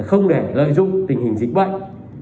không để lợi dụng tình hình dịch bệnh